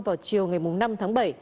vào chiều ngày năm tháng bảy